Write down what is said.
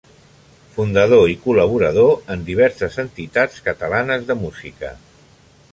Fundador i col·laborador en diverses entitats catalanes de música.